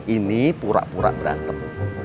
ini pura pura berantem